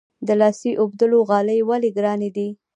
د لاسي اوبدلو غالۍ ولې ګرانې دي؟